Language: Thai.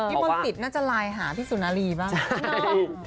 พี่มนต์สิจน่าจะไลน์หาพี่สุนรีบ้าง